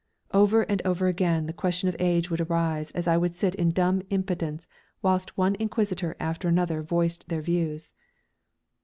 Over and over again the question of age would arise as I would sit in dumb impotence whilst one inquisitor after another voiced their views.